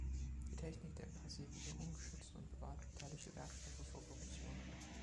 Die Technik der Passivierung schützt und bewahrt metallische Werkstoffe vor Korrosion.